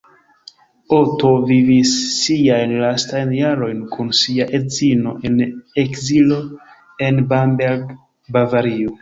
Otto vivis siajn lastajn jarojn kun sia edzino en ekzilo en Bamberg, Bavario.